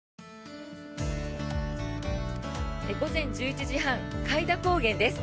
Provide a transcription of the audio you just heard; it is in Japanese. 午前１１時半開田高原です。